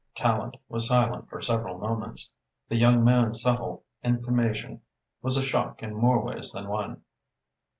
Tallente was silent for several moments. The young man's subtle intimation was a shock in more ways than one.